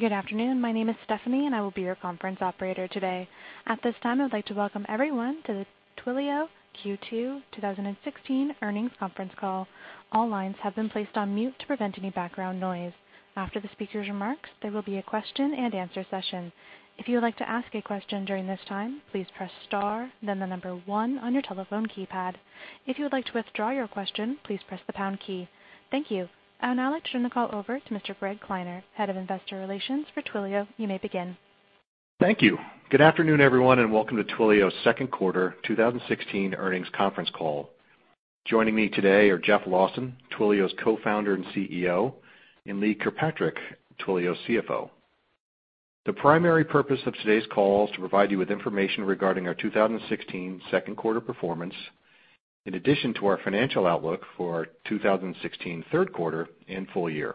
Good afternoon. My name is Stephanie, and I will be your conference operator today. At this time, I would like to welcome everyone to the Twilio Q2 2016 earnings conference call. All lines have been placed on mute to prevent any background noise. After the speaker's remarks, there will be a question and answer session. If you would like to ask a question during this time, please press star then 1 on your telephone keypad. If you would like to withdraw your question, please press the pound key. Thank you. I would now like to turn the call over to Mr. Greg Kleiner, Head of Investor Relations for Twilio. You may begin. Thank you. Good afternoon, everyone, and welcome to Twilio's second quarter 2016 earnings conference call. Joining me today are Jeff Lawson, Twilio's Co-founder and CEO, and Lee Kirkpatrick, Twilio CFO. The primary purpose of today's call is to provide you with information regarding our 2016 second quarter performance, in addition to our financial outlook for our 2016 third quarter and full year.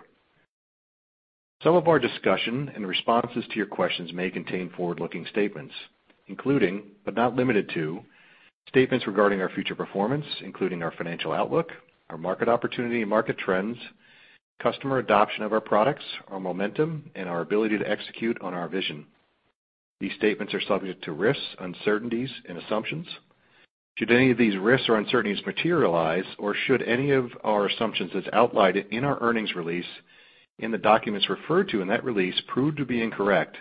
Some of our discussion and responses to your questions may contain forward-looking statements, including, but not limited to, statements regarding our future performance, including our financial outlook, our market opportunity and market trends, customer adoption of our products, our momentum, and our ability to execute on our vision. Should any of these risks or uncertainties materialize, or should any of our assumptions as outlined in our earnings release and the documents referred to in that release prove to be incorrect,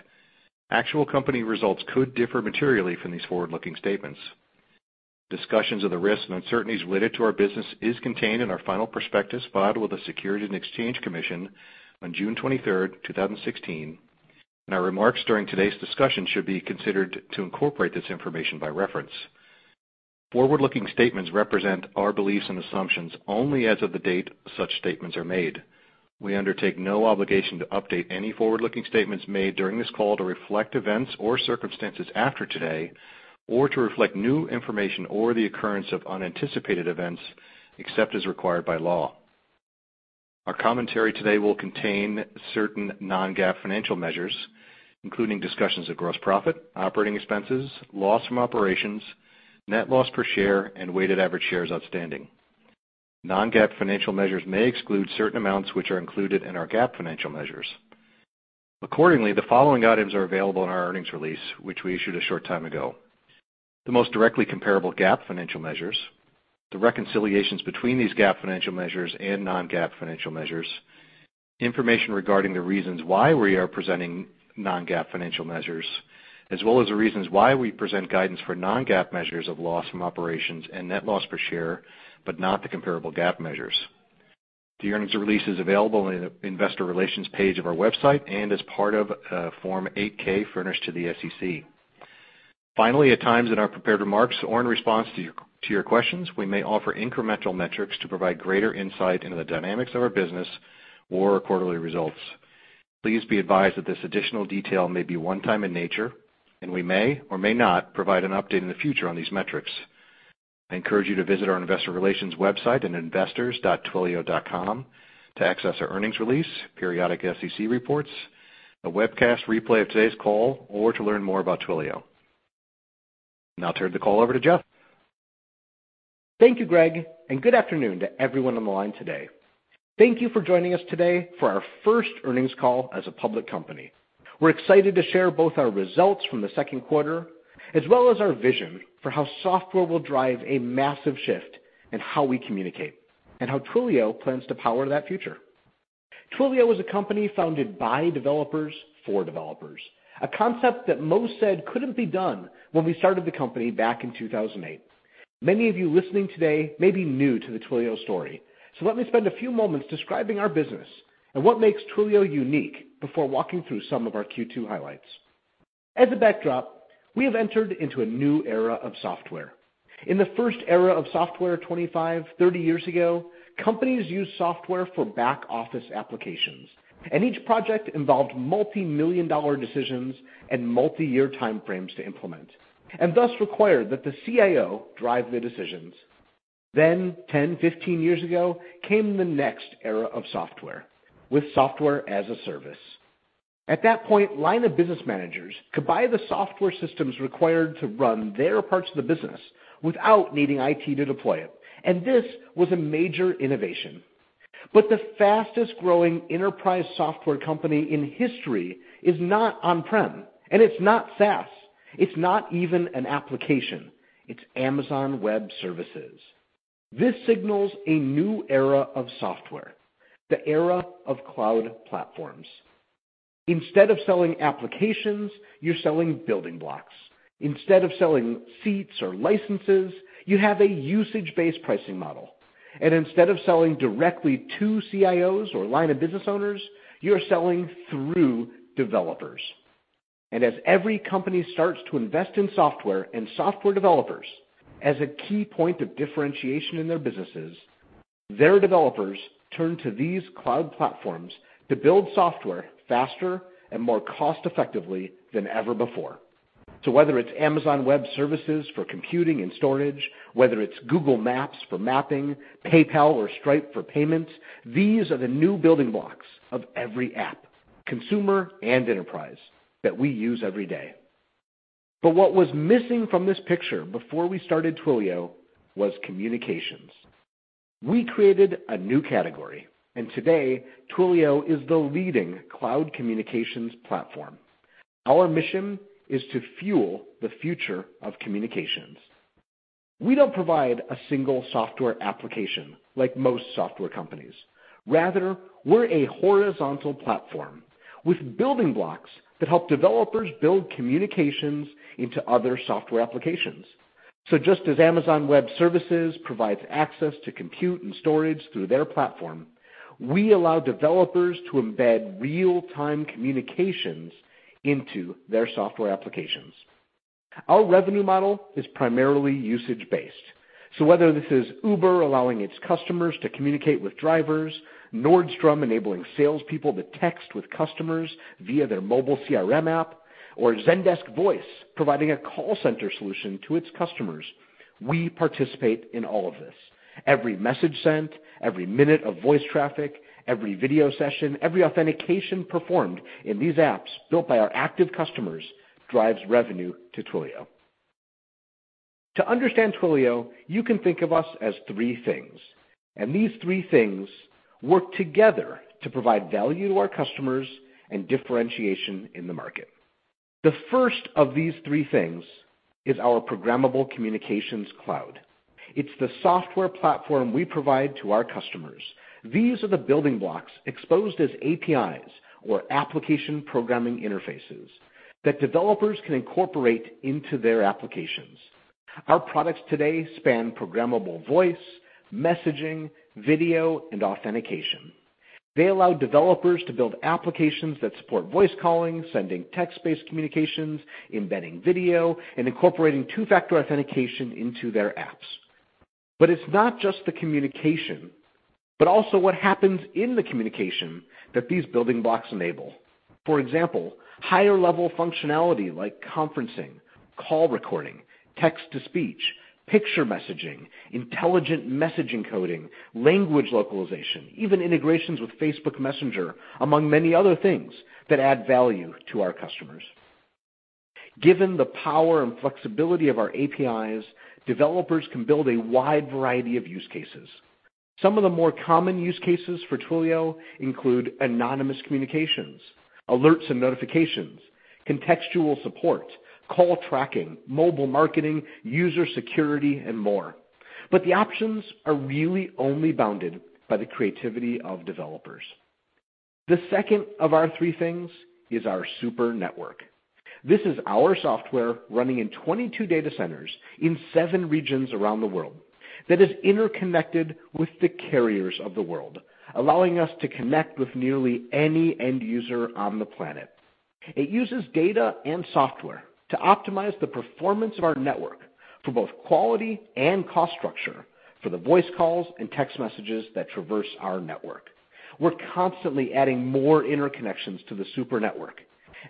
actual company results could differ materially from these forward-looking statements. Discussions of the risks and uncertainties related to our business is contained in our final prospectus filed with the Securities and Exchange Commission on June 23rd, 2016, and our remarks during today's discussion should be considered to incorporate this information by reference. Forward-looking statements represent our beliefs and assumptions only as of the date such statements are made. We undertake no obligation to update any forward-looking statements made during this call to reflect events or circumstances after today, or to reflect new information or the occurrence of unanticipated events, except as required by law. Our commentary today will contain certain non-GAAP financial measures, including discussions of gross profit, operating expenses, loss from operations, net loss per share, and weighted average shares outstanding. Non-GAAP financial measures may exclude certain amounts which are included in our GAAP financial measures. Accordingly, the following items are available in our earnings release, which we issued a short time ago: The most directly comparable GAAP financial measures, the reconciliations between these GAAP financial measures and non-GAAP financial measures, information regarding the reasons why we are presenting non-GAAP financial measures, as well as the reasons why we present guidance for non-GAAP measures of loss from operations and net loss per share, but not the comparable GAAP measures. The earnings release is available on the investor relations page of our website and as part of Form 8-K furnished to the SEC. Finally, at times in our prepared remarks or in response to your questions, we may offer incremental metrics to provide greater insight into the dynamics of our business or our quarterly results. Please be advised that this additional detail may be one-time in nature, and we may or may not provide an update in the future on these metrics. I encourage you to visit our investor relations website at investors.twilio.com to access our earnings release, periodic SEC reports, a webcast replay of today's call, or to learn more about Twilio. Now I'll turn the call over to Jeff. Thank you, Greg, and good afternoon to everyone on the line today. Thank you for joining us today for our first earnings call as a public company. We're excited to share both our results from the second quarter, as well as our vision for how software will drive a massive shift in how we communicate and how Twilio plans to power that future. Twilio is a company founded by developers for developers, a concept that most said couldn't be done when we started the company back in 2008. Many of you listening today may be new to the Twilio story, so let me spend a few moments describing our business and what makes Twilio unique before walking through some of our Q2 highlights. As a backdrop, we have entered into a new era of software. In the first era of software 25, 30 years ago, companies used software for back-office applications, and each project involved multi-million dollar decisions and multi-year time frames to implement, and thus required that the CIO drive the decisions. Then, 10, 15 years ago, came the next era of software, with software as a service. At that point, line of business managers could buy the software systems required to run their parts of the business without needing IT to deploy it, and this was a major innovation. But the fastest-growing enterprise software company in history is not on-prem, and it's not SaaS. It's not even an application. It's Amazon Web Services. This signals a new era of software, the era of cloud platforms. Instead of selling applications, you're selling building blocks. Instead of selling seats or licenses, you have a usage-based pricing model. Instead of selling directly to CIOs or line-of-business owners, you're selling through developers. As every company starts to invest in software and software developers as a key point of differentiation in their businesses, their developers turn to these cloud platforms to build software faster and more cost-effectively than ever before. Whether it's Amazon Web Services for computing and storage, whether it's Google Maps for mapping, PayPal or Stripe for payments, these are the new building blocks of every app, consumer and enterprise, that we use every day. But what was missing from this picture before we started Twilio was communications. We created a new category, and today Twilio is the leading cloud communications platform. Our mission is to fuel the future of communications. We don't provide a single software application like most software companies. Rather, we're a horizontal platform with building blocks that help developers build communications into other software applications. Just as Amazon Web Services provides access to compute and storage through their platform, we allow developers to embed real-time communications into their software applications. Our revenue model is primarily usage-based. Whether this is Uber allowing its customers to communicate with drivers, Nordstrom enabling salespeople to text with customers via their mobile CRM app, or Zendesk Voice providing a call center solution to its customers, we participate in all of this. Every message sent, every minute of voice traffic, every video session, every authentication performed in these apps built by our active customers drives revenue to Twilio. To understand Twilio, you can think of us as three things, and these three things work together to provide value to our customers and differentiation in the market. The first of these three things is our programmable communications cloud. It's the software platform we provide to our customers. These are the building blocks exposed as APIs or application programming interfaces that developers can incorporate into their applications. Our products today span programmable voice, messaging, video, and authentication. They allow developers to build applications that support voice calling, sending text-based communications, embedding video, and incorporating two-factor authentication into their apps. It's not just the communication, but also what happens in the communication that these building blocks enable. For example, higher-level functionality like conferencing, call recording, text-to-speech, picture messaging, intelligent message encoding, language localization, even integrations with Facebook Messenger, among many other things that add value to our customers. Given the power and flexibility of our APIs, developers can build a wide variety of use cases. Some of the more common use cases for Twilio include anonymous communications, alerts and notifications, contextual support, call tracking, mobile marketing, user security, and more. The options are really only bounded by the creativity of developers. The second of our three things is our super network. This is our software running in 22 data centers in seven regions around the world that is interconnected with the carriers of the world, allowing us to connect with nearly any end user on the planet. It uses data and software to optimize the performance of our network for both quality and cost structure for the voice calls and text messages that traverse our network. We're constantly adding more interconnections to the super network,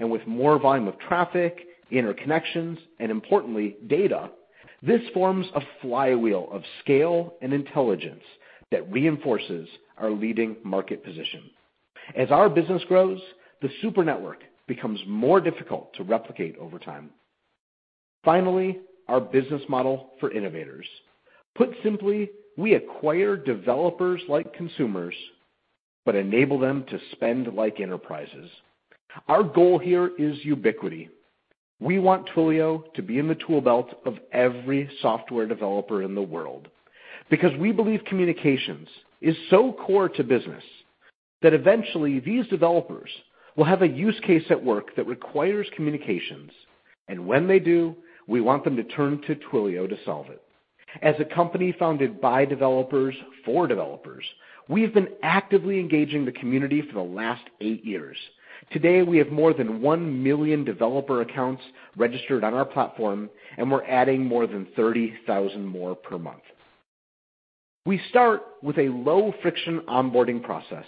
and with more volume of traffic, interconnections, and importantly, data, this forms a flywheel of scale and intelligence that reinforces our leading market position. As our business grows, the super network becomes more difficult to replicate over time. Finally, our business model for innovators. Put simply, we acquire developers like consumers, but enable them to spend like enterprises. Our goal here is ubiquity. We want Twilio to be in the tool belt of every software developer in the world because we believe communications is so core to business that eventually these developers will have a use case at work that requires communications, and when they do, we want them to turn to Twilio to solve it. As a company founded by developers for developers, we have been actively engaging the community for the last eight years. Today, we have more than 1 million developer accounts registered on our platform, and we're adding more than 30,000 more per month. We start with a low-friction onboarding process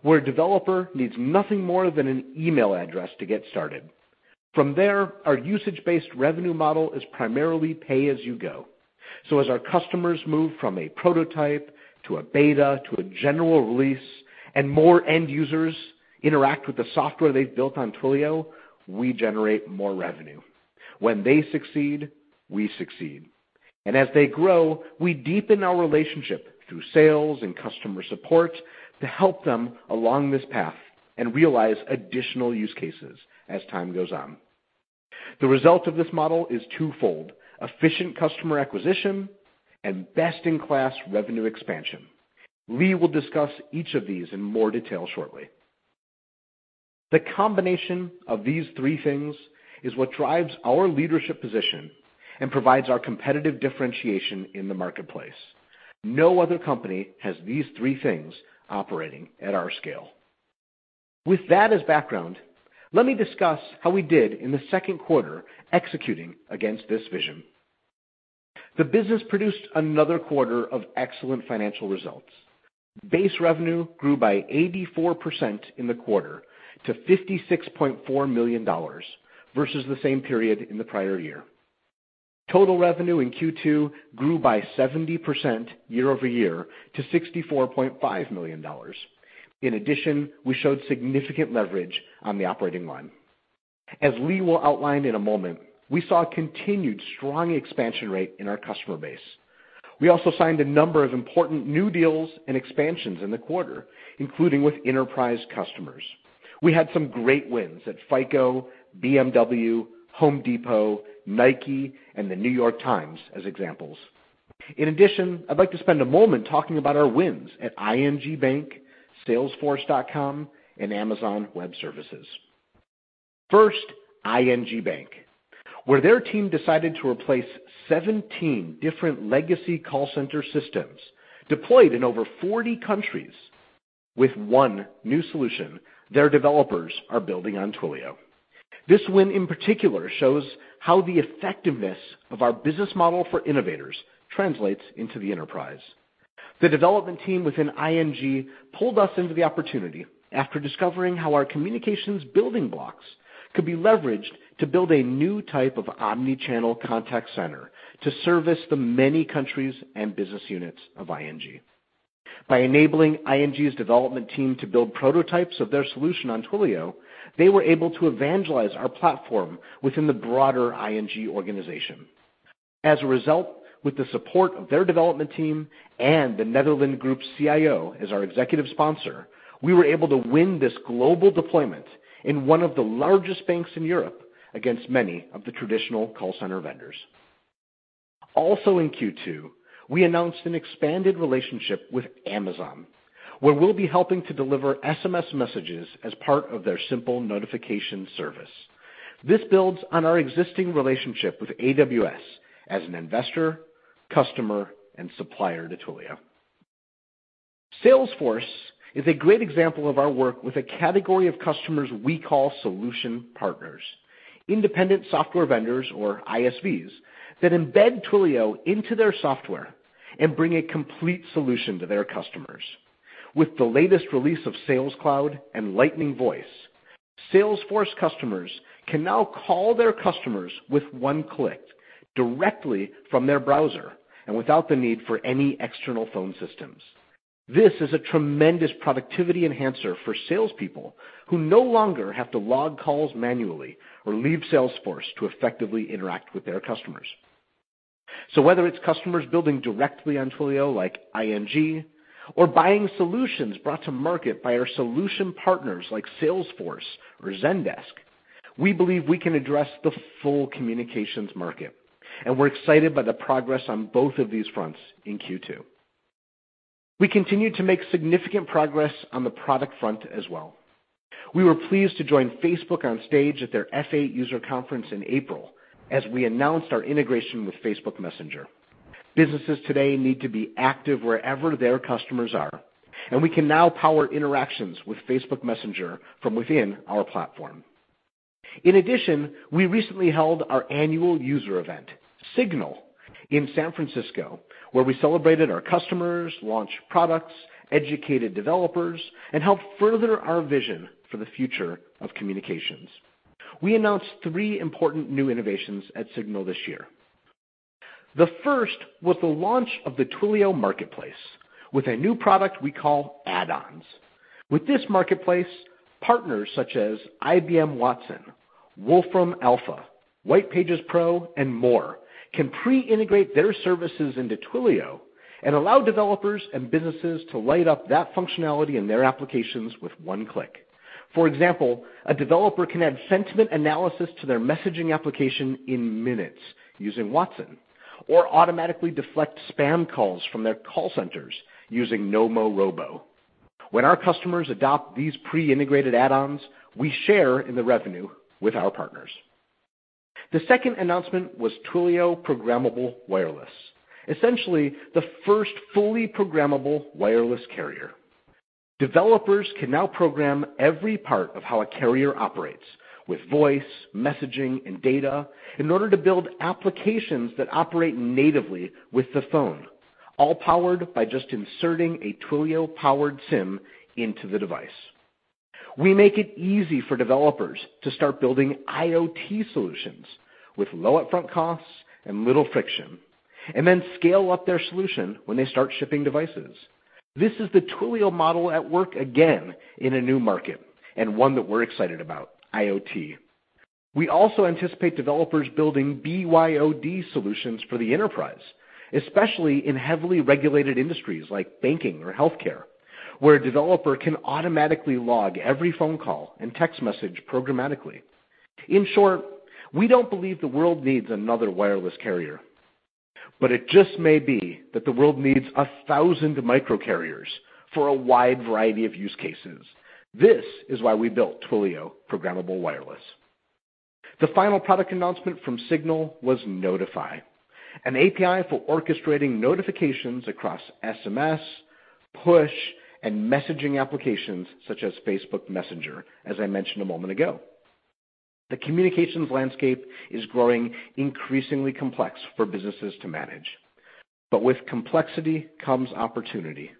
where a developer needs nothing more than an email address to get started. From there, our usage-based revenue model is primarily pay as you go. As our customers move from a prototype to a beta to a general release and more end users interact with the software they've built on Twilio, we generate more revenue. When they succeed, we succeed, and as they grow, we deepen our relationship through sales and customer support to help them along this path and realize additional use cases as time goes on. The result of this model is twofold: efficient customer acquisition and best-in-class revenue expansion. Lee will discuss each of these in more detail shortly. The combination of these three things is what drives our leadership position and provides our competitive differentiation in the marketplace. No other company has these three things operating at our scale. With that as background, let me discuss how we did in the second quarter executing against this vision. The business produced another quarter of excellent financial results. Base revenue grew by 84% in the quarter to $56.4 million versus the same period in the prior year. Total revenue in Q2 grew by 70% year-over-year to $64.5 million. In addition, we showed significant leverage on the operating line. As Lee will outline in a moment, we saw a continued strong expansion rate in our customer base. We also signed a number of important new deals and expansions in the quarter, including with enterprise customers. We had some great wins at FICO, BMW, Home Depot, Nike, and The New York Times, as examples. In addition, I'd like to spend a moment talking about our wins at ING Bank, salesforce.com, and Amazon Web Services. First, ING Bank, where their team decided to replace 17 different legacy call center systems deployed in over 40 countries with one new solution their developers are building on Twilio. This win, in particular, shows how the effectiveness of our business model for innovators translates into the enterprise. The development team within ING pulled us into the opportunity after discovering how our communications building blocks could be leveraged to build a new type of omni-channel contact center to service the many countries and business units of ING. By enabling ING's development team to build prototypes of their solution on Twilio, they were able to evangelize our platform within the broader ING organization. Result, with the support of their development team and the Netherlands Group CIO as our executive sponsor, we were able to win this global deployment in one of the largest banks in Europe against many of the traditional call center vendors. Also in Q2, we announced an expanded relationship with Amazon, where we'll be helping to deliver SMS messages as part of their Simple Notification Service. This builds on our existing relationship with AWS as an investor, customer, and supplier to Twilio. Salesforce is a great example of our work with a category of customers we call solution partners, independent software vendors, or ISVs, that embed Twilio into their software and bring a complete solution to their customers. With the latest release of Sales Cloud and Lightning Voice, Salesforce customers can now call their customers with one click directly from their browser and without the need for any external phone systems. This is a tremendous productivity enhancer for salespeople who no longer have to log calls manually or leave Salesforce to effectively interact with their customers. Whether it's customers building directly on Twilio, like ING, or buying solutions brought to market by our solution partners like Salesforce or Zendesk, we believe we can address the full communications market, and we're excited by the progress on both of these fronts in Q2. We continued to make significant progress on the product front as well. We were pleased to join Facebook on stage at their F8 user conference in April as we announced our integration with Facebook Messenger. Businesses today need to be active wherever their customers are, we can now power interactions with Facebook Messenger from within our platform. In addition, we recently held our annual user event, SIGNAL, in San Francisco, where we celebrated our customers, launched products, educated developers, and helped further our vision for the future of communications. We announced three important new innovations at SIGNAL this year. The first was the launch of the Twilio Marketplace with a new product we call Add-ons. With this marketplace, partners such as IBM Watson, Wolfram|Alpha, Whitepages Pro, and more can pre-integrate their services into Twilio and allow developers and businesses to light up that functionality in their applications with one click. For example, a developer can add sentiment analysis to their messaging application in minutes using Watson or automatically deflect spam calls from their call centers using Nomorobo. When our customers adopt these pre-integrated Add-ons, we share in the revenue with our partners. The second announcement was Twilio Programmable Wireless, essentially the first fully programmable wireless carrier. Developers can now program every part of how a carrier operates with voice, messaging, and data in order to build applications that operate natively with the phone, all powered by just inserting a Twilio-powered SIM into the device. We make it easy for developers to start building IoT solutions with low upfront costs and little friction, and then scale up their solution when they start shipping devices. This is the Twilio model at work again in a new market and one that we're excited about, IoT. We also anticipate developers building BYOD solutions for the enterprise, especially in heavily regulated industries like banking or healthcare, where a developer can automatically log every phone call and text message programmatically. In short, we don't believe the world needs another wireless carrier, it just may be that the world needs 1,000 micro carriers for a wide variety of use cases. This is why we built Twilio Programmable Wireless. The final product announcement from SIGNAL was Notify, an API for orchestrating notifications across SMS, push, and messaging applications such as Facebook Messenger, as I mentioned a moment ago. The communications landscape is growing increasingly complex for businesses to manage. With complexity comes opportunity,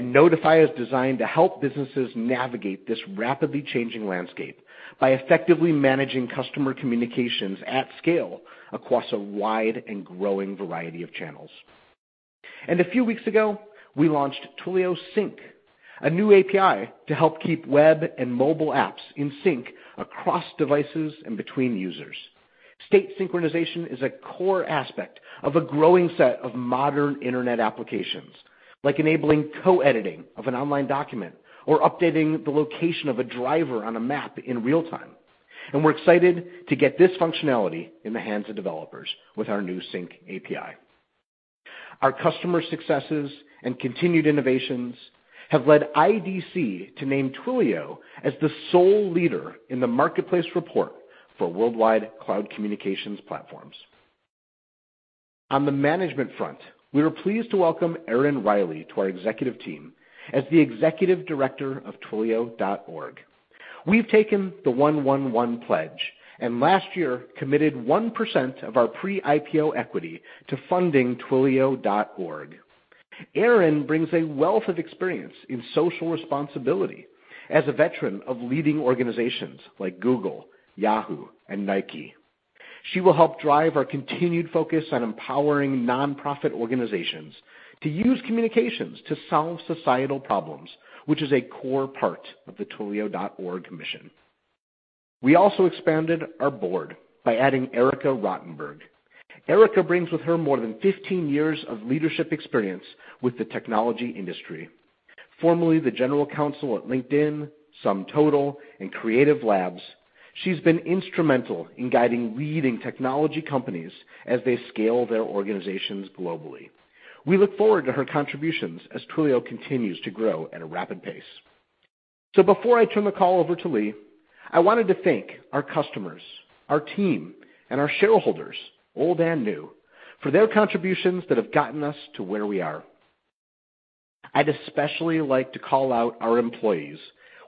Notify is designed to help businesses navigate this rapidly changing landscape by effectively managing customer communications at scale across a wide and growing variety of channels. A few weeks ago, we launched Twilio Sync, a new API to help keep web and mobile apps in sync across devices and between users. State synchronization is a core aspect of a growing set of modern internet applications, like enabling co-editing of an online document, or updating the location of a driver on a map in real time. We're excited to get this functionality in the hands of developers with our new Sync API. Our customer successes and continued innovations have led IDC to name Twilio as the sole leader in the marketplace report for worldwide cloud communications platforms. On the management front, we were pleased to welcome Erin Reilly to our executive team as the Executive Director of Twilio.org. We've taken the One-One Pledge, and last year committed 1% of our pre-IPO equity to funding Twilio.org. Erin brings a wealth of experience in social responsibility as a veteran of leading organizations like Google, Yahoo, and Nike. She will help drive our continued focus on empowering nonprofit organizations to use communications to solve societal problems, which is a core part of the Twilio.org mission. We also expanded our board by adding Erika Rottenberg. Erika brings with her more than 15 years of leadership experience with the technology industry. Formerly the general counsel at LinkedIn, SumTotal, and Creative Labs, she's been instrumental in guiding leading technology companies as they scale their organizations globally. We look forward to her contributions as Twilio continues to grow at a rapid pace. Before I turn the call over to Lee, I wanted to thank our customers, our team, and our shareholders, old and new, for their contributions that have gotten us to where we are. I'd especially like to call out our employees,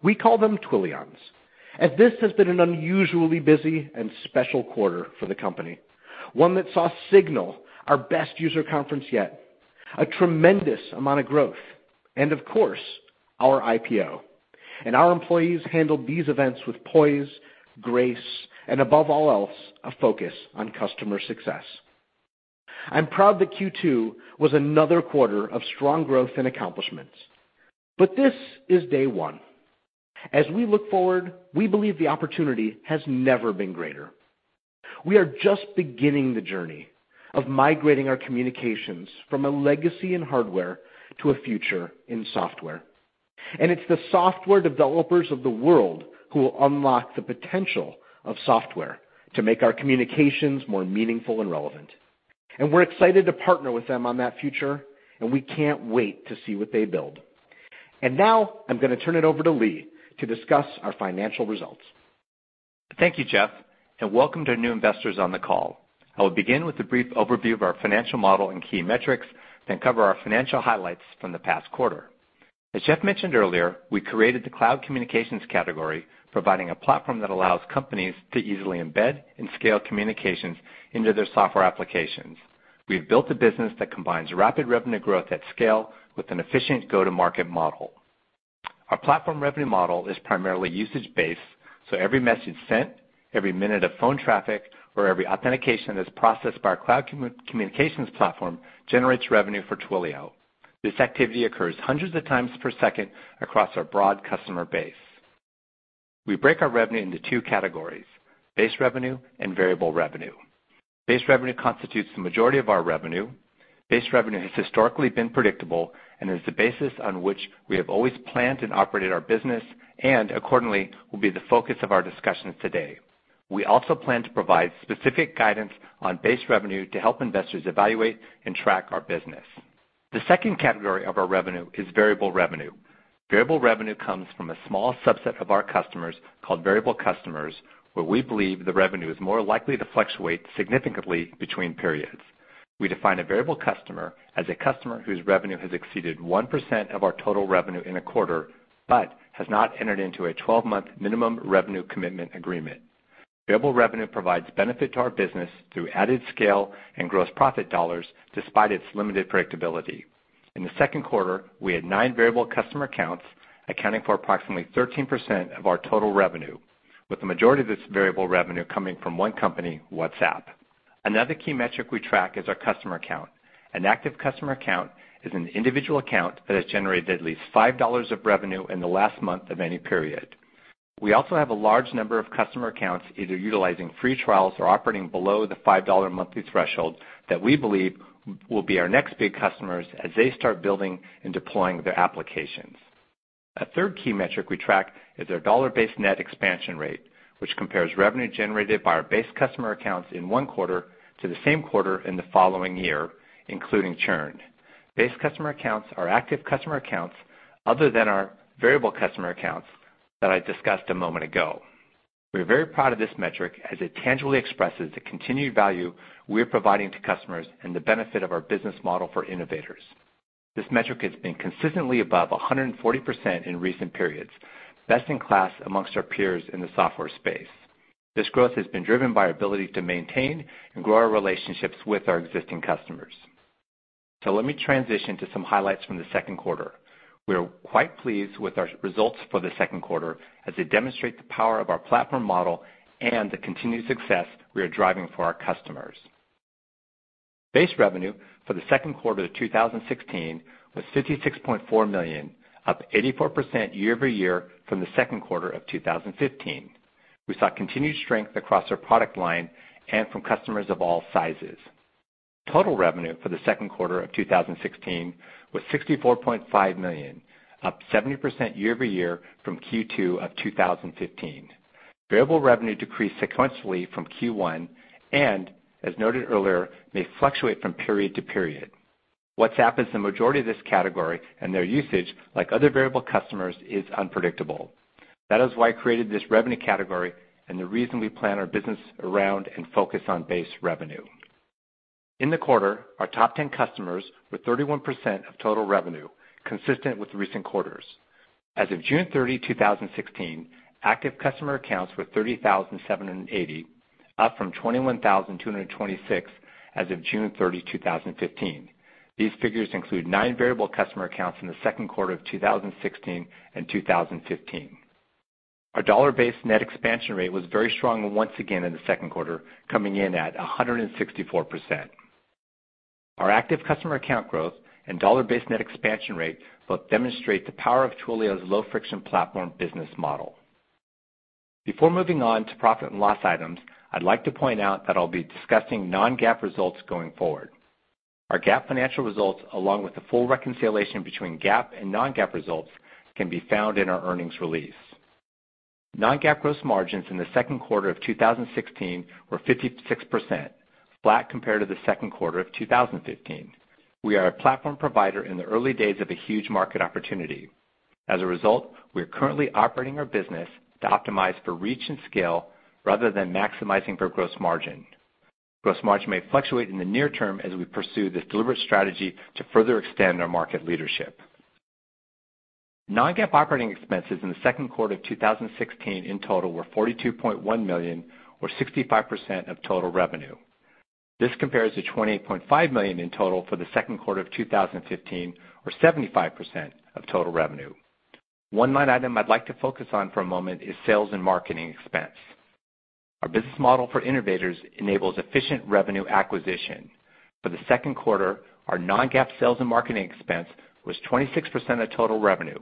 we call them Twilions, as this has been an unusually busy and special quarter for the company. One that saw SIGNAL, our best user conference yet, a tremendous amount of growth, and of course, our IPO. Our employees handled these events with poise, grace, and above all else, a focus on customer success. I'm proud that Q2 was another quarter of strong growth and accomplishments, but this is day one. As we look forward, we believe the opportunity has never been greater. We are just beginning the journey of migrating our communications from a legacy in hardware to a future in software. It's the software developers of the world who will unlock the potential of software to make our communications more meaningful and relevant. We're excited to partner with them on that future, and we can't wait to see what they build. Now I'm going to turn it over to Lee to discuss our financial results. Thank you, Jeff, and welcome to new investors on the call. I will begin with a brief overview of our financial model and key metrics, then cover our financial highlights from the past quarter. As Jeff mentioned earlier, we created the cloud communications category, providing a platform that allows companies to easily embed and scale communications into their software applications. We have built a business that combines rapid revenue growth at scale with an efficient go-to-market model. Our platform revenue model is primarily usage-based, so every message sent, every minute of phone traffic, or every authentication that's processed by our cloud communications platform generates revenue for Twilio. This activity occurs hundreds of times per second across our broad customer base. We break our revenue into two categories, base revenue and variable revenue. Base revenue constitutes the majority of our revenue. Base revenue has historically been predictable and is the basis on which we have always planned and operated our business. Accordingly, will be the focus of our discussions today. We also plan to provide specific guidance on base revenue to help investors evaluate and track our business. The second category of our revenue is variable revenue. Variable revenue comes from a small subset of our customers called variable customers, where we believe the revenue is more likely to fluctuate significantly between periods. We define a variable customer as a customer whose revenue has exceeded 1% of our total revenue in a quarter, but has not entered into a 12-month minimum revenue commitment agreement. Variable revenue provides benefit to our business through added scale and gross profit dollars, despite its limited predictability. In the second quarter, we had nine variable customer accounts, accounting for approximately 13% of our total revenue, with the majority of this variable revenue coming from one company, WhatsApp. Another key metric we track is our customer count. An active customer count is an individual count that has generated at least $5 of revenue in the last month of any period. We also have a large number of customer counts either utilizing free trials or operating below the $5 monthly threshold that we believe will be our next big customers as they start building and deploying their applications. A third key metric we track is our dollar-based net expansion rate, which compares revenue generated by our base customer accounts in one quarter to the same quarter in the following year, including churned. Base customer counts are active customer counts other than our variable customer counts that I discussed a moment ago. We are very proud of this metric as it tangibly expresses the continued value we're providing to customers and the benefit of our business model for innovators. This metric has been consistently above 140% in recent periods, best in class amongst our peers in the software space. Let me transition to some highlights from the second quarter. We are quite pleased with our results for the second quarter as they demonstrate the power of our platform model and the continued success we are driving for our customers. Base revenue for the second quarter of 2016 was $56.4 million, up 84% year-over-year from the second quarter of 2015. We saw continued strength across our product line and from customers of all sizes. Total revenue for the second quarter of 2016 was $64.5 million, up 70% year-over-year from Q2 of 2015. Variable revenue decreased sequentially from Q1 and, as noted earlier, may fluctuate from period to period. WhatsApp is the majority of this category, and their usage, like other variable customers, is unpredictable. That is why I created this revenue category and the reason we plan our business around and focus on base revenue. In the quarter, our top 10 customers were 31% of total revenue, consistent with recent quarters. As of June 30, 2016, active customer accounts were 30,780, up from 21,226 as of June 30, 2015. These figures include nine variable customer accounts in the second quarter of 2016 and 2015. Our dollar-based net expansion rate was very strong once again in the second quarter, coming in at 164%. Our active customer account growth and dollar-based net expansion rate both demonstrate the power of Twilio's low-friction platform business model. Before moving on to profit and loss items, I'd like to point out that I'll be discussing non-GAAP results going forward. Our GAAP financial results, along with the full reconciliation between GAAP and non-GAAP results, can be found in our earnings release. Non-GAAP gross margins in the second quarter of 2016 were 56%, flat compared to the second quarter of 2015. We are a platform provider in the early days of a huge market opportunity. As a result, we are currently operating our business to optimize for reach and scale rather than maximizing for gross margin. Gross margin may fluctuate in the near term as we pursue this deliberate strategy to further extend our market leadership. Non-GAAP operating expenses in the second quarter of 2016 in total were $42.1 million, or 65% of total revenue. This compares to $28.5 million in total for the second quarter of 2015, or 75% of total revenue. One line item I'd like to focus on for a moment is sales and marketing expense. Our business model for innovators enables efficient revenue acquisition. For the second quarter, our non-GAAP sales and marketing expense was 26% of total revenue,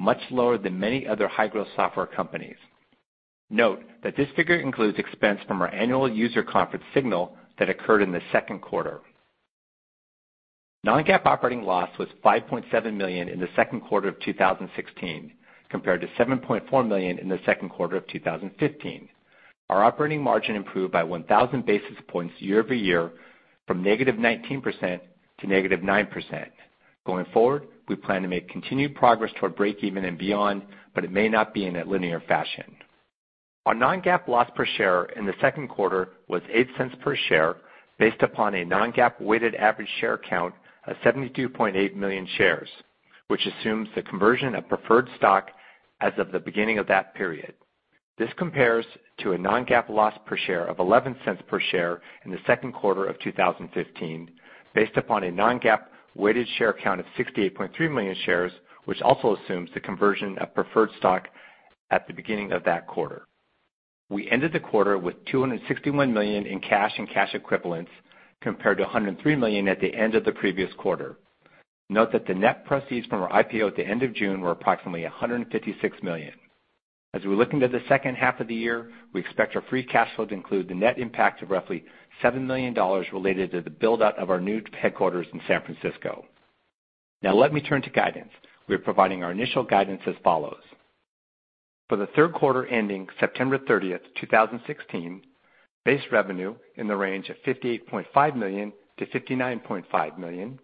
much lower than many other high-growth software companies. Note that this figure includes expense from our annual user conference SIGNAL that occurred in the second quarter. Non-GAAP operating loss was $5.7 million in the second quarter of 2016, compared to $7.4 million in the second quarter of 2015. Our operating margin improved by 1,000 basis points year-over-year from negative 19% to negative 9%. Going forward, we plan to make continued progress toward breakeven and beyond. It may not be in a linear fashion. Our non-GAAP loss per share in the second quarter was $0.08 per share based upon a non-GAAP weighted average share count of 72.8 million shares, which assumes the conversion of preferred stock as of the beginning of that period. This compares to a non-GAAP loss per share of $0.11 per share in the second quarter of 2015 based upon a non-GAAP weighted share count of 68.3 million shares, which also assumes the conversion of preferred stock at the beginning of that quarter. We ended the quarter with $261 million in cash and cash equivalents, compared to $103 million at the end of the previous quarter. Note that the net proceeds from our IPO at the end of June were approximately $156 million. As we look into the second half of the year, we expect our free cash flow to include the net impact of roughly $7 million related to the build-out of our new headquarters in San Francisco. Now let me turn to guidance. We are providing our initial guidance as follows. For the third quarter ending September 30, 2016, base revenue in the range of $58.5 million-$59.5 million,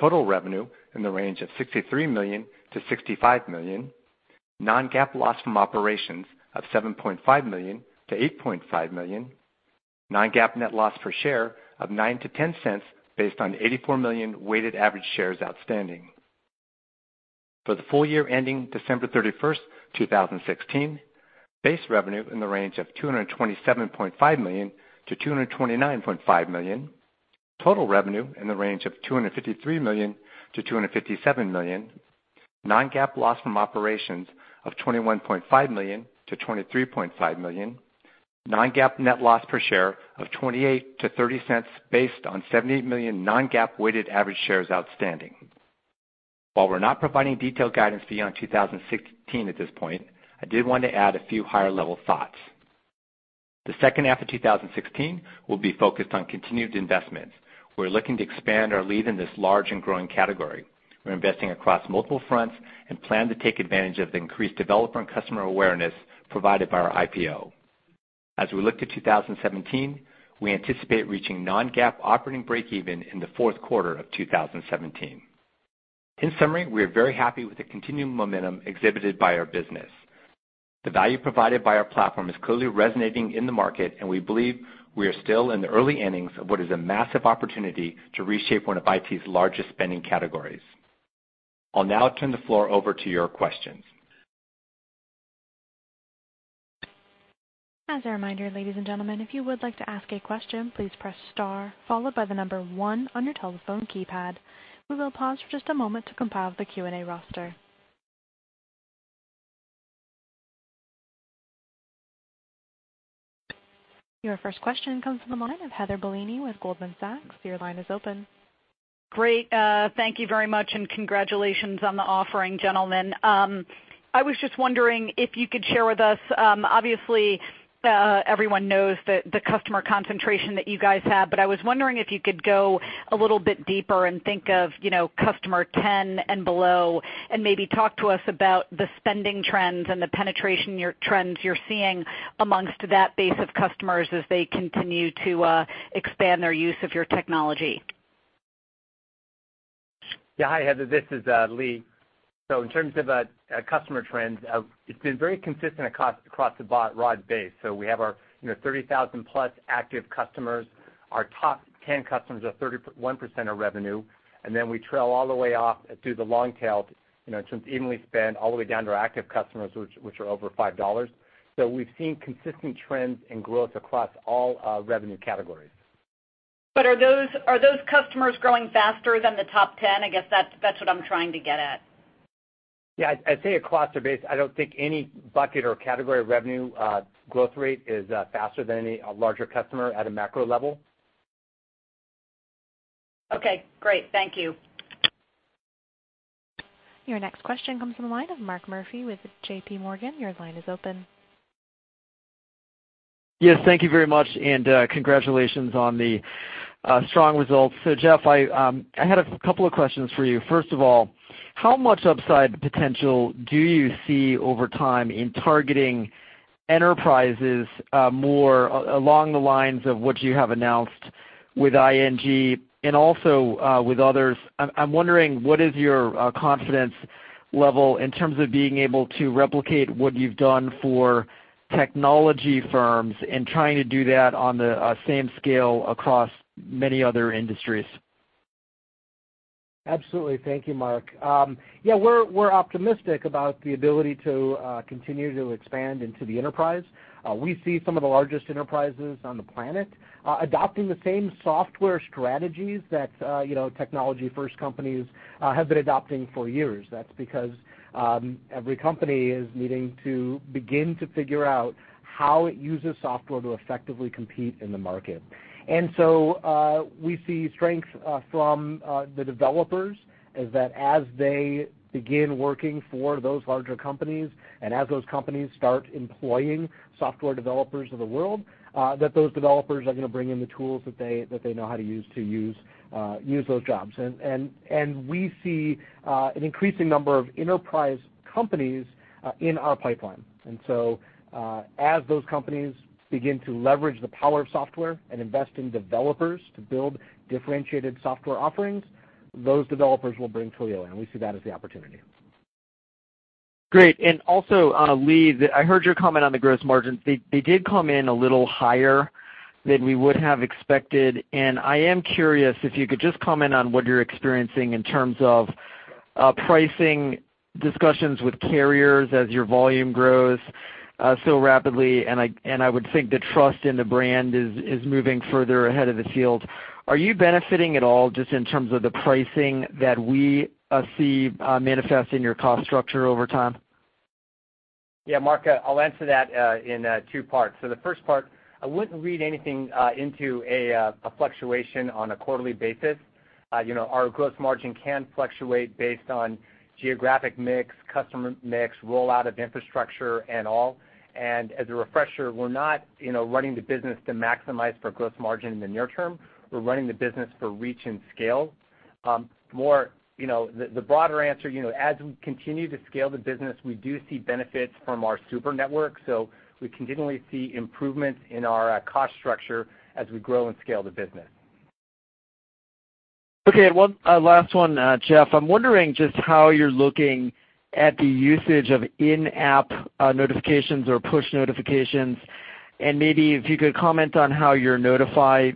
total revenue in the range of $63 million-$65 million, non-GAAP loss from operations of $7.5 million-$8.5 million, non-GAAP net loss per share of $0.09-$0.10 based on 84 million weighted average shares outstanding. For the full year ending December 31, 2016, base revenue in the range of $227.5 million-$229.5 million, total revenue in the range of $253 million-$257 million, non-GAAP loss from operations of $21.5 million-$23.5 million, non-GAAP net loss per share of $0.28-$0.30 based on 78 million non-GAAP weighted average shares outstanding. While we're not providing detailed guidance beyond 2016 at this point, I did want to add a few higher-level thoughts. The second half of 2016 will be focused on continued investments. We're looking to expand our lead in this large and growing category. We're investing across multiple fronts and plan to take advantage of the increased developer and customer awareness provided by our IPO. As we look to 2017, we anticipate reaching non-GAAP operating breakeven in the fourth quarter of 2017. In summary, we are very happy with the continuing momentum exhibited by our business. The value provided by our platform is clearly resonating in the market. We believe we are still in the early innings of what is a massive opportunity to reshape one of IT's largest spending categories. I'll now turn the floor over to your questions. As a reminder, ladies and gentlemen, if you would like to ask a question, please press star followed by the number one on your telephone keypad. We will pause for just a moment to compile the Q&A roster. Your first question comes from the line of Heather Bellini with Goldman Sachs. Your line is open. Great. Thank you very much, and congratulations on the offering, gentlemen. I was just wondering if you could share with us, obviously, everyone knows the customer concentration that you guys have, but I was wondering if you could go a little bit deeper and think of customer 10 and below, and maybe talk to us about the spending trends and the penetration trends you're seeing amongst that base of customers as they continue to expand their use of your technology. Hi, Heather. This is Lee. In terms of customer trends, it's been very consistent across the broad base. We have our 30,000-plus active customers. Our top 10 customers are 31% of revenue, and then we trail all the way off through the long tail in terms of evenly spent all the way down to our active customers, which are over $5. We've seen consistent trends in growth across all revenue categories. Are those customers growing faster than the top 10? I guess that's what I'm trying to get at. I'd say across our base, I don't think any bucket or category of revenue growth rate is faster than any larger customer at a macro level. Okay, great. Thank you. Your next question comes from the line of Mark Murphy with JP Morgan. Your line is open. Yes, thank you very much, and congratulations on the strong results. Jeff, I had a couple of questions for you. First of all, how much upside potential do you see over time in targeting enterprises more along the lines of what you have announced with ING and also with others? I am wondering what is your confidence level in terms of being able to replicate what you've done for technology firms and trying to do that on the same scale across many other industries? Absolutely. Thank you, Mark. We're optimistic about the ability to continue to expand into the enterprise. We see some of the largest enterprises on the planet adopting the same software strategies that technology first companies have been adopting for years. That's because every company is needing to begin to figure out how it uses software to effectively compete in the market. We see strength from the developers as they begin working for those larger companies, and as those companies start employing software developers of the world, that those developers are going to bring in the tools that they know how to use those jobs. We see an increasing number of enterprise companies in our pipeline. As those companies begin to leverage the power of software and invest in developers to build differentiated software offerings, those developers will bring Twilio in. We see that as the opportunity. Great. Lee, I heard your comment on the gross margins. They did come in a little higher than we would have expected, and I am curious if you could just comment on what you're experiencing in terms of pricing discussions with carriers as your volume grows so rapidly, and I would think the trust in the brand is moving further ahead of the field. Are you benefiting at all just in terms of the pricing that we see manifest in your cost structure over time? Mark, I'll answer that in two parts. The first part, I wouldn't read anything into a fluctuation on a quarterly basis. Our gross margin can fluctuate based on geographic mix, customer mix, rollout of infrastructure, and all. As a refresher, we're not running the business to maximize for gross margin in the near term. We're running the business for reach and scale. The broader answer, as we continue to scale the business, we do see benefits from our super network. We continually see improvements in our cost structure as we grow and scale the business. One last one, Jeff. I'm wondering just how you're looking at the usage of in-app notifications or push notifications, and maybe if you could comment on how your Notify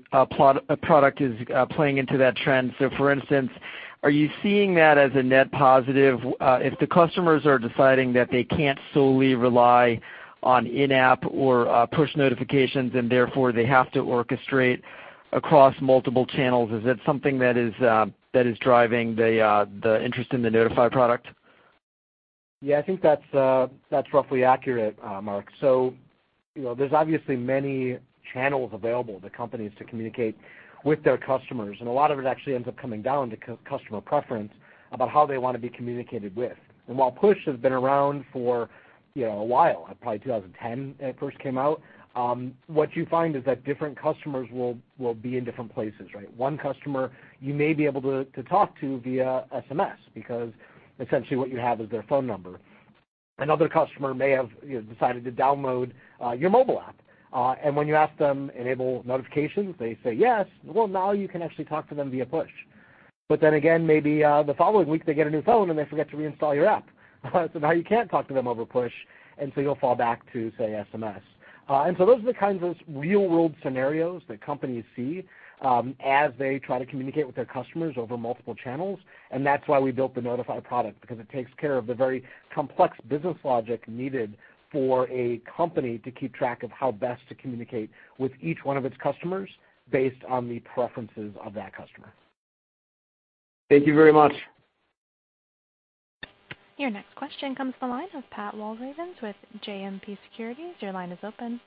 product is playing into that trend. For instance, are you seeing that as a net positive if the customers are deciding that they can't solely rely on in-app or push notifications and therefore they have to orchestrate across multiple channels, is that something that is driving the interest in the Notify product? Yeah, I think that's roughly accurate, Mark. There's obviously many channels available to companies to communicate with their customers, and a lot of it actually ends up coming down to customer preference about how they want to be communicated with. While push has been around for a while, probably 2010 it first came out, what you find is that different customers will be in different places, right? One customer you may be able to talk to via SMS, because essentially what you have is their phone number. Another customer may have decided to download your mobile app, and when you ask them enable notifications, they say yes. Now you can actually talk to them via push. Maybe the following week they get a new phone and they forget to reinstall your app. Now you can't talk to them over push, and so you'll fall back to, say, SMS. Those are the kinds of real-world scenarios that companies see as they try to communicate with their customers over multiple channels. That's why we built the Notify product, because it takes care of the very complex business logic needed for a company to keep track of how best to communicate with each one of its customers based on the preferences of that customer. Thank you very much. Your next question comes to the line of Pat Walravens with JMP Securities. Your line is open.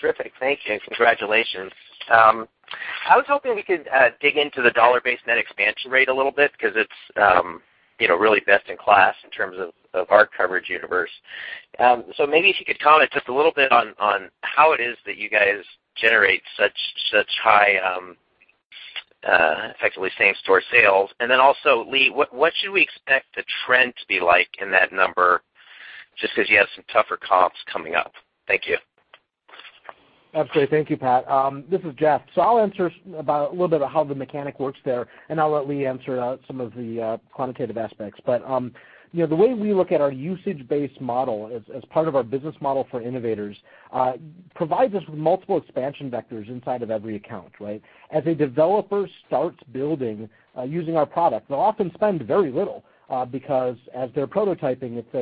terrific. Thank you, and congratulations. I was hoping we could dig into the dollar-based net expansion rate a little bit because it's really best in class in terms of our coverage universe. Maybe if you could comment just a little bit on how it is that you guys generate such high, effectively same-store sales. Lee, what should we expect the trend to be like in that number, just because you have some tougher comps coming up? Thank you. Absolutely. Thank you, Pat. This is Jeff. I'll answer about a little bit of how the mechanic works there, and I'll let Lee answer some of the quantitative aspects. The way we look at our usage-based model, as part of our business model for innovators, provides us with multiple expansion vectors inside of every account, right? As a developer starts building using our product, they'll often spend very little, because as they're prototyping, it's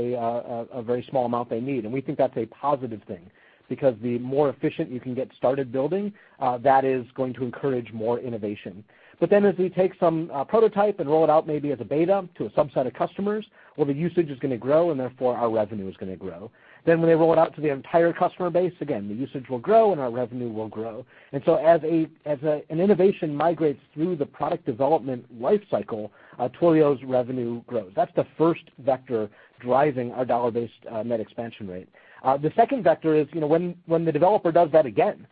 a very small amount they need. We think that's a positive thing, because the more efficient you can get started building, that is going to encourage more innovation. As we take some prototype and roll it out maybe as a beta to a subset of customers, well, the usage is going to grow, and therefore our revenue is going to grow. When they roll it out to the entire customer base, again, the usage will grow and our revenue will grow. As an innovation migrates through the product development life cycle, Twilio's revenue grows. That's the first vector driving our dollar-based net expansion rate. The second vector is when the developer does that again,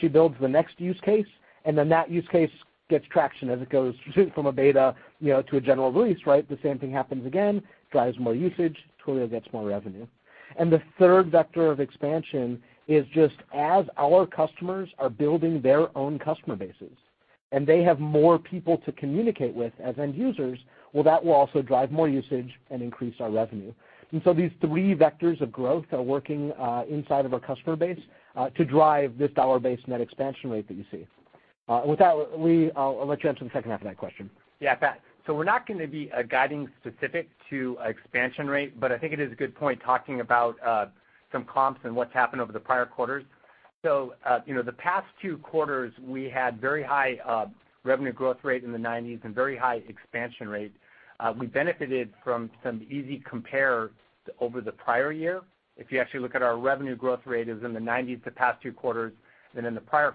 she builds the next use case, that use case gets traction as it goes from a beta to a general release, right? The same thing happens again, drives more usage, Twilio gets more revenue. The third vector of expansion is just as our customers are building their own customer bases, and they have more people to communicate with as end users, well, that will also drive more usage and increase our revenue. These three vectors of growth are working inside of our customer base to drive this dollar-based net expansion rate that you see. With that, Lee, I'll let you answer the second half of that question. Pat. We're not going to be guiding specific to expansion rate, but I think it is a good point talking about some comps and what's happened over the prior quarters. The past two quarters, we had very high revenue growth rate in the 90s and very high expansion rate. We benefited from some easy compares over the prior year. If you actually look at our revenue growth rate is in the 90s the past two quarters, and in the prior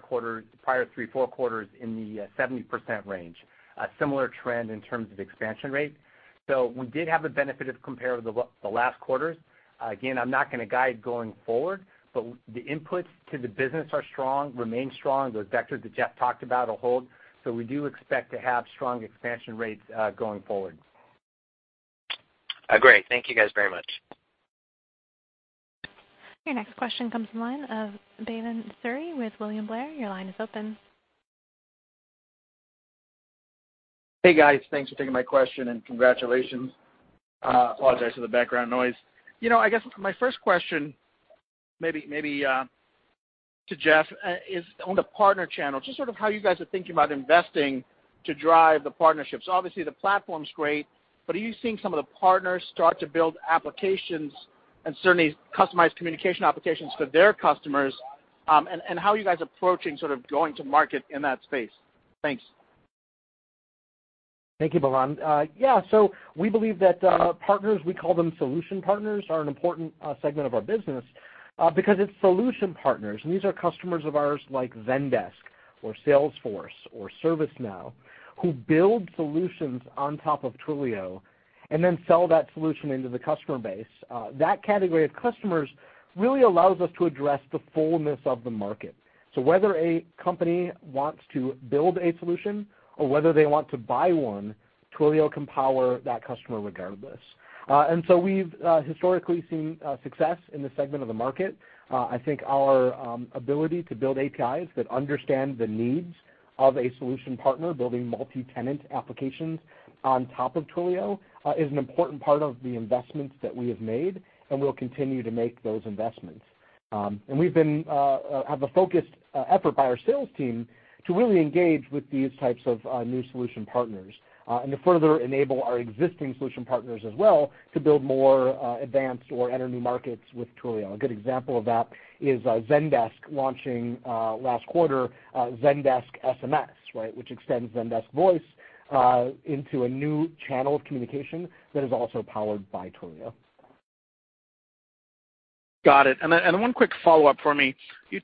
three, four quarters in the 70% range. A similar trend in terms of expansion rate. We did have the benefit of compare with the last quarters. Again, I'm not going to guide going forward, but the inputs to the business are strong, remain strong. Those vectors that Jeff talked about will hold. We do expect to have strong expansion rates going forward. Great. Thank you guys very much. Your next question comes from the line of Bhavan Suri with William Blair. Your line is open. Hey, guys. Thanks for taking my question and congratulations. Apologize for the background noise. I guess my first question, maybe to Jeff, is on the partner channel, just sort of how you guys are thinking about investing to drive the partnerships. Obviously, the platform's great, but are you seeing some of the partners start to build applications and certainly customized communication applications for their customers? How are you guys approaching sort of going to market in that space? Thanks. Thank you, Bhavan. We believe that partners, we call them solution partners, are an important segment of our business because it's solution partners, and these are customers of ours like Zendesk or Salesforce or ServiceNow, who build solutions on top of Twilio and then sell that solution into the customer base. That category of customers really allows us to address the fullness of the market. Whether a company wants to build a solution or whether they want to buy one, Twilio can power that customer regardless. We've historically seen success in this segment of the market. I think our ability to build APIs that understand the needs of a solution partner building multi-tenant applications on top of Twilio is an important part of the investments that we have made, we'll continue to make those investments. We've had the focused effort by our sales team to really engage with these types of new solution partners, and to further enable our existing solution partners as well to build more advanced or enter new markets with Twilio. A good example of that is Zendesk launching last quarter, Zendesk SMS, right? Which extends Zendesk Voice into a new channel of communication that is also powered by Twilio. Got it. One quick follow-up for me. You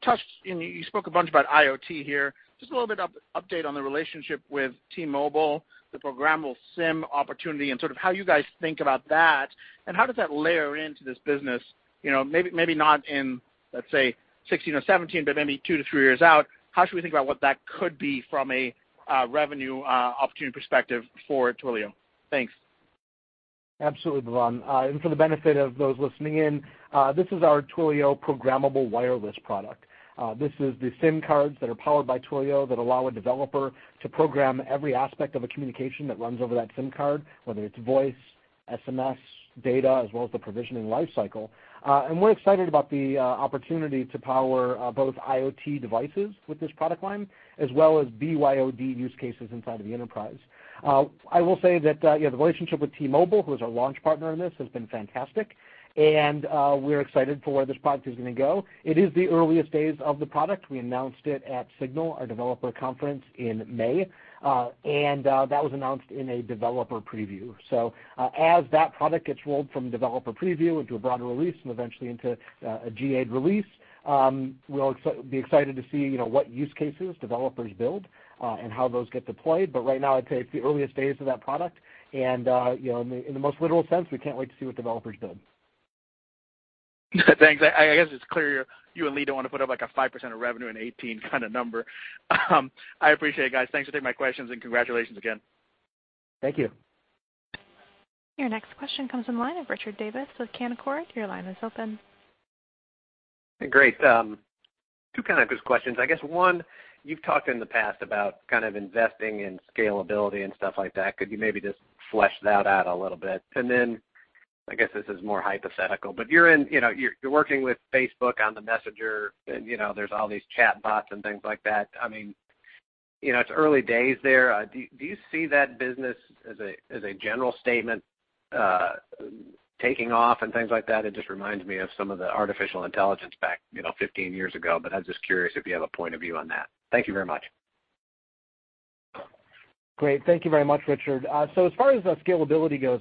spoke a bunch about IoT here. Just a little bit of update on the relationship with T-Mobile, the programmable SIM opportunity, and sort of how you guys think about that, and how does that layer into this business? Maybe not in, let's say, 2016 or 2017, but maybe two to three years out, how should we think about what that could be from a revenue opportunity perspective for Twilio? Thanks. Absolutely, Bavan. For the benefit of those listening in, this is our Twilio Programmable Wireless product. This is the SIM cards that are powered by Twilio that allow a developer to program every aspect of a communication that runs over that SIM card, whether it's voice, SMS, data, as well as the provisioning life cycle. We're excited about the opportunity to power both IoT devices with this product line, as well as BYOD use cases inside of the enterprise. I will say that the relationship with T-Mobile, who is our launch partner on this, has been fantastic, we're excited for where this product is going to go. It is the earliest days of the product. We announced it at SIGNAL, our developer conference, in May, that was announced in a developer preview. As that product gets rolled from developer preview into a broader release and eventually into a GA'd release, we'll be excited to see what use cases developers build, and how those get deployed. Right now, I'd say it's the earliest days of that product. In the most literal sense, we can't wait to see what developers build. Thanks. I guess it's clear you and Lee don't want to put up a 5% of revenue in 2018 kind of number. I appreciate it, guys. Thanks for taking my questions, and congratulations again. Thank you. Your next question comes from the line of Richard Davis with Canaccord. Your line is open. Great. Two kind of quick questions. I guess one, you've talked in the past about kind of investing in scalability and stuff like that. Could you maybe just flesh that out a little bit? Then, I guess this is more hypothetical, but you're working with Facebook on the Messenger, and there's all these chatbots and things like that. It's early days there. Do you see that business, as a general statement, taking off and things like that? It just reminds me of some of the artificial intelligence back 15 years ago, but I was just curious if you have a point of view on that. Thank you very much. Great. Thank you very much, Richard. As far as scalability goes,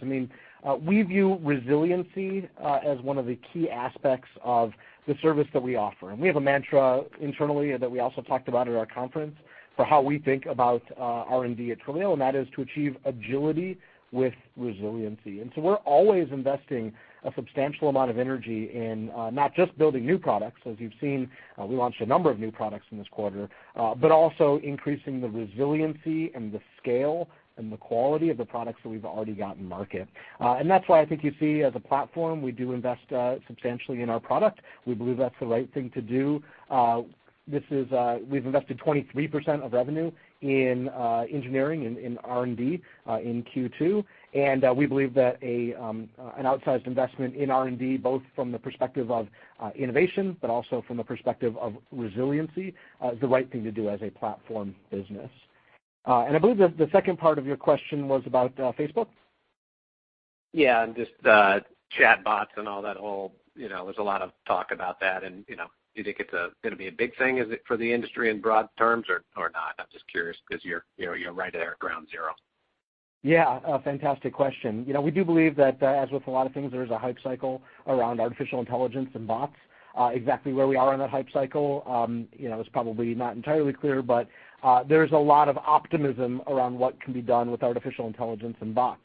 we view resiliency as one of the key aspects of the service that we offer. We have a mantra internally that we also talked about at our conference for how we think about R&D at Twilio, and that is to achieve agility with resiliency. We're always investing a substantial amount of energy in not just building new products, as you've seen, we launched a number of new products in this quarter, but also increasing the resiliency and the scale and the quality of the products that we've already got in market. That's why I think you see as a platform, we do invest substantially in our product. We believe that's the right thing to do. We've invested 23% of revenue in engineering, in R&D in Q2. We believe that an outsized investment in R&D, both from the perspective of innovation, but also from the perspective of resiliency, is the right thing to do as a platform business. I believe the second part of your question was about Facebook. Yeah, just chatbots and all that. There's a lot of talk about that. Do you think it's going to be a big thing for the industry in broad terms or not? I'm just curious because you're right there at ground zero. Yeah, a fantastic question. We do believe that as with a lot of things, there is a hype cycle around artificial intelligence and bots. Exactly where we are in that hype cycle is probably not entirely clear. There is a lot of optimism around what can be done with artificial intelligence and bots.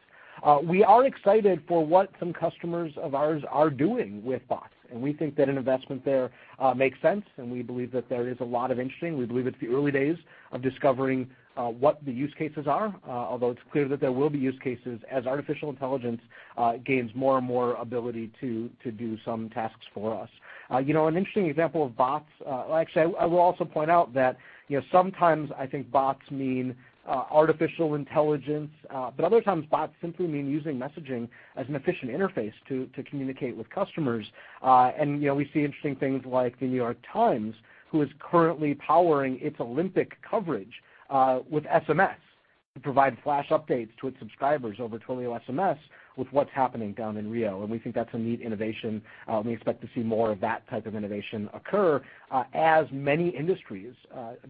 We are excited for what some customers of ours are doing with bots. We think that an investment there makes sense. We believe that there is a lot of interesting. We believe it's the early days of discovering what the use cases are, although it's clear that there will be use cases as artificial intelligence gains more and more ability to do some tasks for us. An interesting example of bots. Actually, I will also point out that sometimes I think bots mean artificial intelligence, but other times bots simply mean using messaging as an efficient interface to communicate with customers. We see interesting things like The New York Times, who is currently powering its Olympic coverage with SMS to provide flash updates to its subscribers over Twilio SMS with what's happening down in Rio. We think that's a neat innovation, and we expect to see more of that type of innovation occur as many industries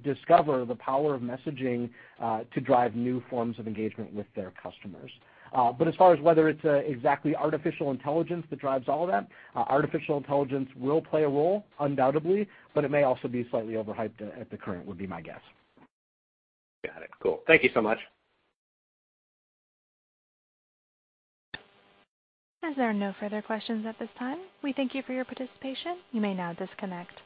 discover the power of messaging to drive new forms of engagement with their customers. As far as whether it's exactly artificial intelligence that drives all that, artificial intelligence will play a role undoubtedly, but it may also be slightly overhyped at the current, would be my guess. Got it. Cool. Thank you so much. As there are no further questions at this time, we thank you for your participation. You may now disconnect.